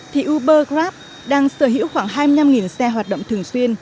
thì uber grab đang sở hữu khoảng hai mươi năm xe hoạt động